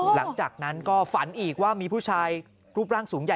หลังจากนั้นก็ฝันอีกว่ามีผู้ชายรูปร่างสูงใหญ่